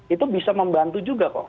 itu bisa membantu juga kok